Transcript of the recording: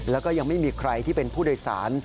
แล้วก็ยังไม่มีใครที่เป็นผู้โดยสาร